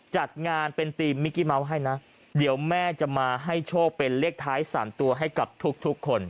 จัดงานเป็นธีมมิกกี้เมาส์ให้นะเดี๋ยวแม่จะมาให้โชคเป็นเลขท้าย๓ตัวให้กับทุกทุกคน